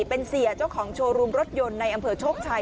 เป็นเสียเจ้าของโชว์รูมรถยนต์ในอำเภอโชคชัย